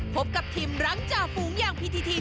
พบกับทีมรังจากฝูงย่างพิธีที